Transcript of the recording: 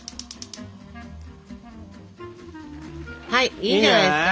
はいいいんじゃないですか？